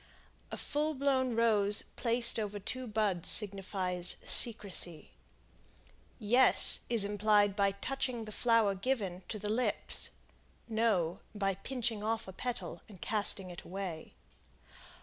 A full blown rose placed over two buds signifies "Secrecy." "Yes" is implied by touching the flower given to the lips. "No" by pinching off a petal and casting it away.